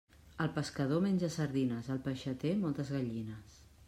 El pescador menja sardines; el peixater, moltes gallines.